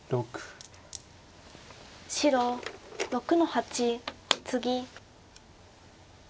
白６の八ツギ。